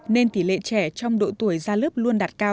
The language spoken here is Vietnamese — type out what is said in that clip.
nên tỷ lệ trẻ trong độ tuổi ra lớp luôn đạt cao